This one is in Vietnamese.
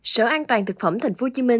sở an toàn thực phẩm tp hcm